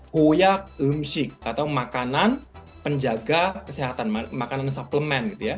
goyak eumshik atau makanan penjaga kesehatan makanan suplemen